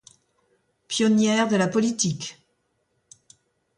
Pionnière de la politique.